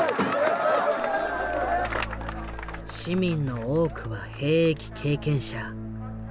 市民の多くは兵役経験者。